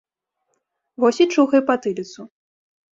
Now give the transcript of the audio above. Вось і чухай патыліцу.